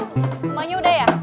semuanya udah ya